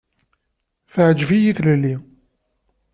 Teɛǧeb-iyi tlelli.